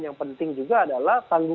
yang penting juga adalah